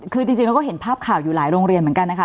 คือจริงเราก็เห็นภาพข่าวอยู่หลายโรงเรียนเหมือนกันนะคะ